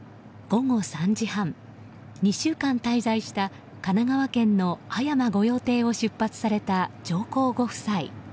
午後３時半、２週間滞在した神奈川県の葉山御用邸を出発された上皇ご夫妻。